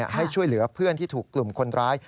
ให้ช่วยเหลือเพื่อนที่ถูกกลุ่มคนร้าย